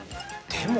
でも。